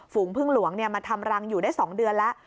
พึ่งหลวงมาทำรังอยู่ได้๒เดือนแล้ว